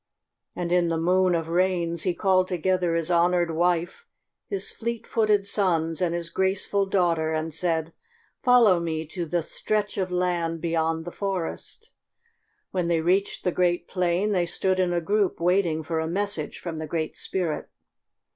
And in the Moon of Rains he called together his honoured wife, his fleet footed sons, and his graceful daughter, and said, "Follow me to the stretch of land beyond the forest." When they reached the great plain, they stood in a group waiting for a message from the Great Spirit.